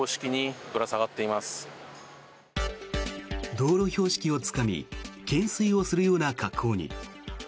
道路標識をつかみ懸垂をするような格好に。